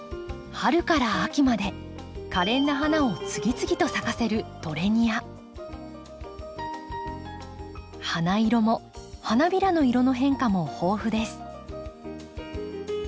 春から秋までかれんな花を次々と咲かせる花色も花びらの色の変化も豊富です。